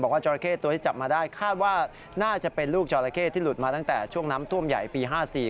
จราเข้ตัวที่จับมาได้คาดว่าน่าจะเป็นลูกจราเข้ที่หลุดมาตั้งแต่ช่วงน้ำท่วมใหญ่ปี๕๔